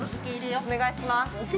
◆お願いします。